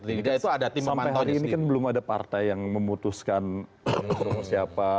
sampai hari ini kan belum ada partai yang memutuskan siapa